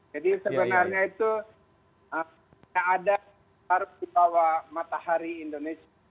jadi sebenarnya itu tidak ada yang harus dibawa matahari indonesia